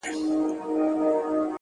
o پر ما خوښي لكه باران را اوري،